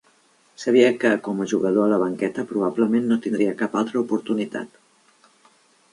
Sabia que, com a jugador a la banqueta, probablement no tindria cap altra oportunitat.